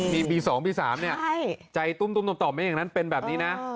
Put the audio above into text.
มีปี๒ปี๓เนี่ยใจตุ้มต่อมไม่อย่างนั้นเป็นแบบนี้นะ